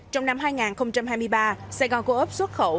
trong năm hai nghìn hai mươi ba sài gòn cô ốc xuất khẩu